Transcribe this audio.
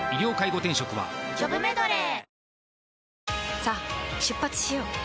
さあ出発しよう。